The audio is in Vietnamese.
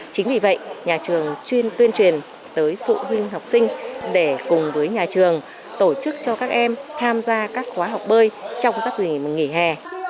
chính vì vậy nhà trường tuyên truyền tới phụ huynh học sinh để cùng với nhà trường tổ chức cho các em tham gia các khóa học bơi trong giấc nghỉ hè